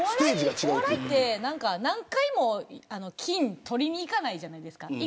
お笑いは、何回も金を取りに行かないじゃないですか。